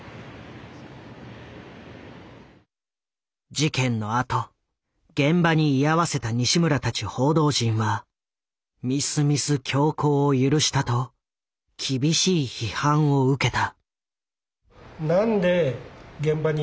事件のあと現場に居合わせた西村たち報道陣はみすみす凶行を許したと厳しい批判を受けた。